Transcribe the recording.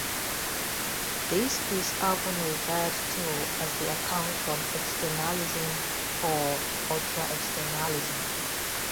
This is often referred to as the account from externalism or ultra-externalism.